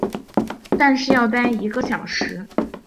但是要待一个小时